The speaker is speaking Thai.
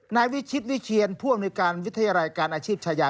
นายวิชิตวิเชียนผู้อำนวยการวิทยาลัยการอาชีพชายา